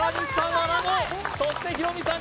穴子そしてヒロミさん